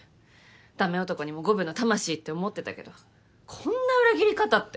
駄目男にも五分の魂って思ってたけどこんな裏切り方って。